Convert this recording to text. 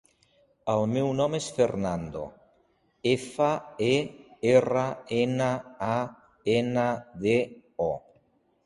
El meu nom és Fernando: efa, e, erra, ena, a, ena, de, o.